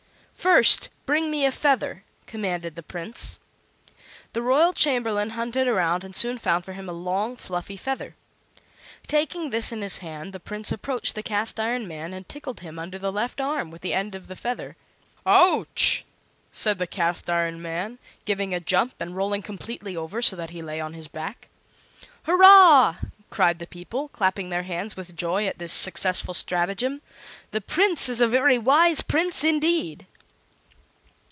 "First, bring me a feather," commanded the Prince. The royal chamberlain hunted around and soon found for him a long, fluffy feather. Taking this in his hand the Prince approached the Cast iron Man and tickled him under the left arm with the end of the feather. "Ouch!" said the Cast iron Man, giving a jump and rolling completely over, so that he lay on his back. "Hurrah!" cried the people, clapping their hands with joy at this successful stratagem; "the Prince is a very wise Prince, indeed!"